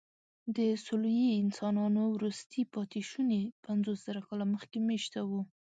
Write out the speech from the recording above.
د سولويي انسانانو وروستي پاتېشوني پنځوسزره کاله مخکې مېشته وو.